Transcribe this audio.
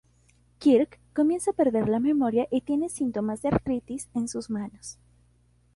Kirk comienza a perder la memoria y tiene síntomas de artritis en sus manos.